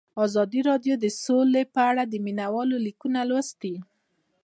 ازادي راډیو د سوله په اړه د مینه والو لیکونه لوستي.